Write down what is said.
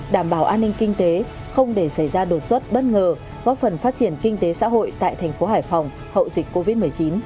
đảm bảo an ninh kinh tế không để xảy ra đột xuất bất ngờ góp phần phát triển kinh tế xã hội tại thành phố hải phòng hậu dịch covid một mươi chín